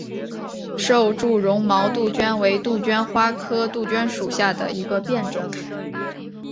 瘦柱绒毛杜鹃为杜鹃花科杜鹃属下的一个变种。